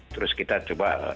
terus kita coba